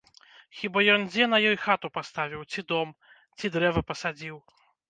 Хіба ён дзе на ёй хату паставіў, ці дом, ці дрэва пасадзіў?